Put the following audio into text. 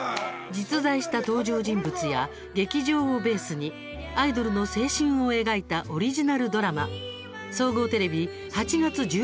実在した登場人物や劇場をベースにアイドルの青春を描いたオリジナルドラマ。